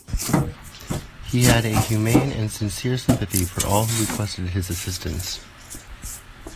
He had a humane and sincere sympathy for all who requested his assistance.